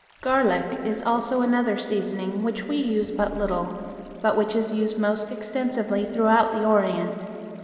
Garlic is also another seasoning which we use but little, but which is used most extensively throughout the Orient.